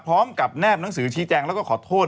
แนบหนังสือชี้แจงแล้วก็ขอโทษ